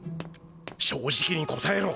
正直に答えろ。